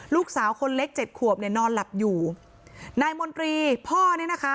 ลูกสาวคนเล็กเจ็ดขวบเนี่ยนอนหลับอยู่นายมนตรีพ่อเนี่ยนะคะ